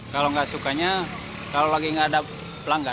kalau nggak sukanya kalau lagi nggak ada pelanggan